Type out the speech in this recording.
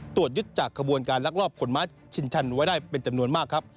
ตรวจยึดจากขบวนการลักลอบขนม้าชินชันไว้ได้เป็นจำนวนมากครับ